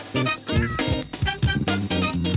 ถูกจ้างงาน